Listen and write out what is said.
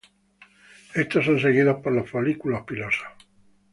Estos son seguidos por los folículos pilosos.